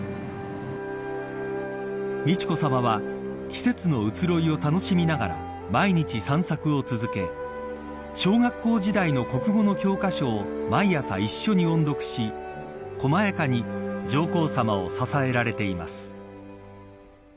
美智子さまは季節の移ろいを楽しみながら毎日散策を続け小学校時代の国語の教科書を毎朝、一緒に音読し細やかに上皇さまを支えられています。